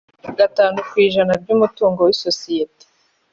gatanu ku ijana by umutungo w isosiyete